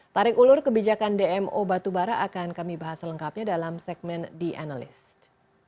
tarik ulur kebijakan dmo batubara akan kami bahas selengkapnya dalam segmen the analyst